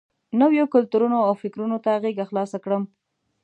نویو کلتورونو او فکرونو ته غېږه خلاصه کړم.